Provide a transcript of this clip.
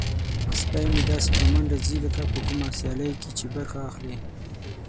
سپی مې داسې په منډه ځي لکه په کومه سیالۍ کې چې برخه اخلي.